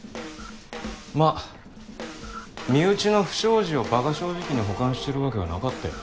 まあ身内の不祥事をバカ正直に保管してる訳はなかったよ。